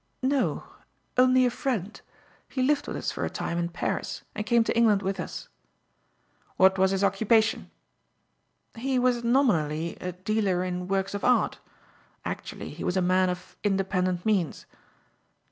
"No; only a friend. He lived with us for a time in Paris and came to England with us." "What was his occupation?" "He was nominally a dealer in works of art. Actually he was a man of independent means."